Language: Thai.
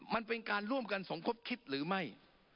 มันเป็นการร่วมกันสมคบคิดหรือไม่